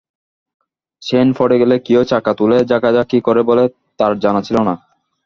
Chain পড়ে গেলে কেউ চাকা তুলে ঝাঁকাঝাঁকি করে বলে তাঁর জানা ছিল না।